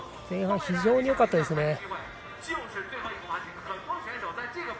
前半、非常によかったですね。